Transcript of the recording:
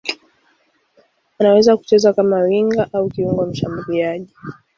Anaweza kucheza kama winga au kiungo mshambuliaji.